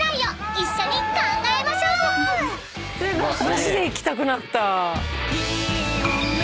すごい！